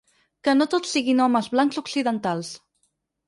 Que no tots siguin homes blancs occidentals.